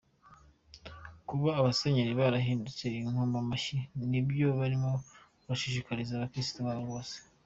Kuba abasenyeri barahindutse inkomamashyi ni nabyo barimo bashishikariza abakristu babo bose.